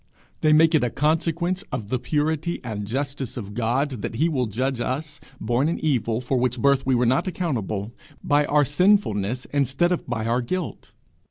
They make it a consequence of the purity and justice of God that he will judge us, born in evil, for which birth we were not accountable, by our sinfulness, instead of by our guilt.